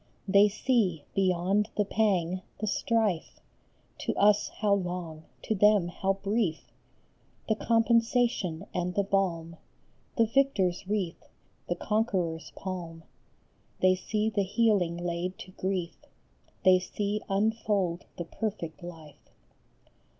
They see, beyond the pang, the strife, (To us how long, to them how brief !) The compensation and the balm, The victor s wreath, the conqueror s palm They see the healing laid to grief, They see unfold the perfect life.